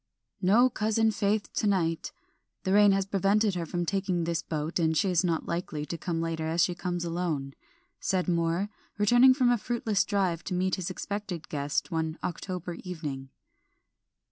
"No cousin Faith to night. The rain has prevented her from taking this boat, and she is not likely to come later as she comes alone," said Moor, returning from a fruitless drive to meet his expected guest one October evening.